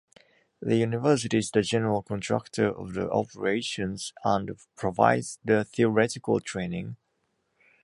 The university is the general contractor of the operations and provides the theoretical training.